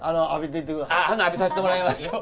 ほな浴びさせてもらます。